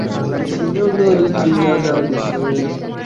Inspector সাহেব আগের জায়গায় চাবি হাতে দাঁড়িয়ে আছেন।